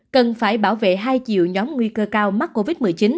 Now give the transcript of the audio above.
cần phải bảo vệ hai triệu nhóm nguy cơ cao mắc covid một mươi chín